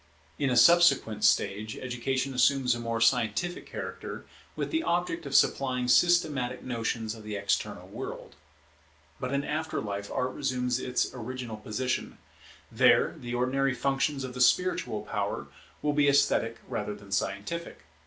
In a subsequent stage education assumes a more scientific character, with the object of supplying systematic notions of the external world. But in after life Art resumes its original position. There the ordinary functions of the spiritual power will be esthetic rather than scientific.